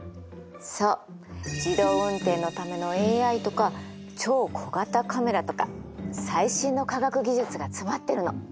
そう自動運転のためのＡＩとか超小型カメラとか最新の科学技術が詰まってるの。